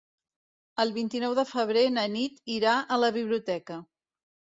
El vint-i-nou de febrer na Nit irà a la biblioteca.